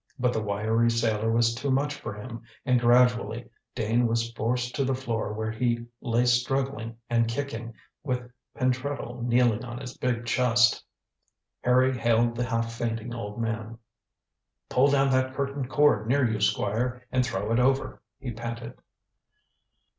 But the wiry sailor was too much for him, and gradually Dane was forced to the floor where he lay struggling and kicking, with Pentreddle kneeling on his big chest. Harry hailed the half fainting old man. "Pull down that curtain cord near you, Squire, and throw it over," he panted.